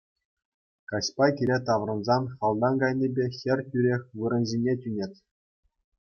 Каҫпа киле таврӑнсан халтан кайнипе хӗр тӳрех вырӑн ҫине тӳнет.